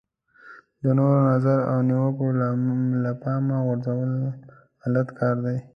د نورو نظر او نیوکه له پامه غورځول غلط کار دی.